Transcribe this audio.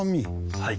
はい。